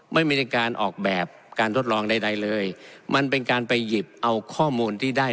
ไม่ได้มีการออกแบบการทดลองใดใดเลยมันเป็นการไปหยิบเอาข้อมูลที่ได้